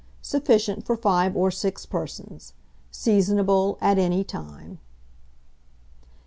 Sufficient for 5 or 6 persons. Seasonable at any time.